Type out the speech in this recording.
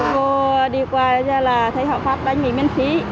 tôi đi qua chai là thấy họ phát bánh mì miễn phí